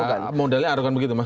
pasti modelnya arogan begitu mas